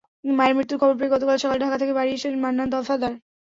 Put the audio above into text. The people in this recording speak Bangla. মেয়ের মৃত্যুর খবর পেয়ে গতকাল সকালে ঢাকা থেকে বাড়ি এসেছেন মান্নান দফাদার।